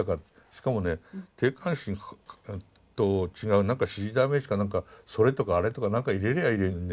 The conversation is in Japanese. しかもね定冠詞と違うなんか指示代名詞かなんか「それ」とか「あれ」とか何か入れりゃいいのにね